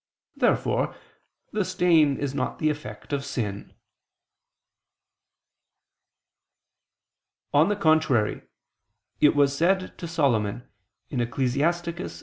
Therefore the stain is not the effect of sin. On the contrary, It was said to Solomon (Ecclus.